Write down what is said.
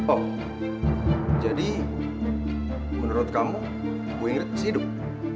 oh jadi menurut kamu ibu ingrid masih hidup